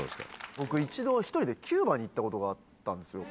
僕一度１人でキューバに行ったことがあったんですよ。